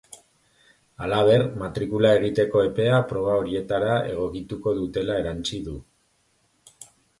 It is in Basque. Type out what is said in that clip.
Halaber, matrikula egiteko epea proba horietara egokituko dutela erantsi du.